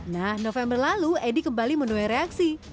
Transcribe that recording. nah november lalu edi kembali menuai reaksi